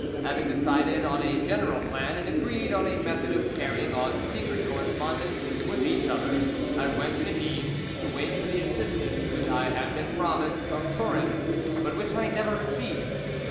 Having decided on a general plan, and agreed on a method of carrying on secret correspondence with each other, I went to Nimes to wait for the assistance which I had been promised from Turin, but which I never received.